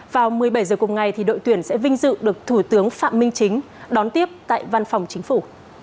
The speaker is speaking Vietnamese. vào một mươi bảy h cùng ngày đội tuyển sẽ vinh dự được thủ tướng phạm minh chính đón tiếp tại văn phòng chính phủ